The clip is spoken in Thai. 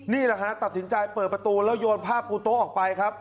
นี่แหละฮะตัดสินใจเปิดประตูแล้วโยนผ้าปูโต๊ะออกไปครับ